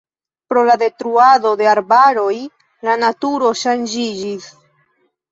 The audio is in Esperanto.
Pro la detruado de arbaroj la naturo ŝanĝiĝis.